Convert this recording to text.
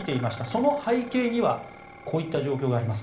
その背景にはこういった状況があります。